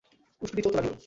উষ্ট্রটি চলতে লাগল।